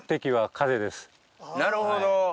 なるほど。